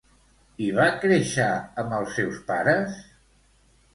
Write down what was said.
I va créixer amb els seus pares?